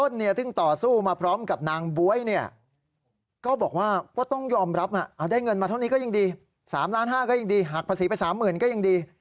เพราะนายแจ้งไม่ยอมให้หักภาษี